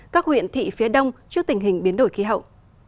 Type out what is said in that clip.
các huyện thị phía đông trước tình hình biến đổi khí hậu